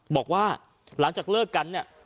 บอกว่าหลังจากเลิกกันเนี่ย